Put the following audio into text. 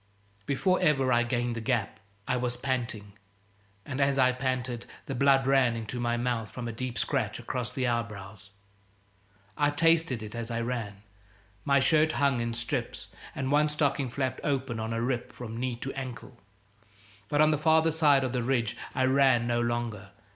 Before ever I gained the gap I was panting, and as I panted the blood ran into my mouth from a deep scratch across the eyebrows. I tasted it as I ran. My shirt hung in strips, and one stocking flapped open on a rip from knee to ankle. But on the farther side of the ridge I ran no longer.